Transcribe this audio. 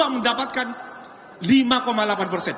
dua mendapatkan lima delapan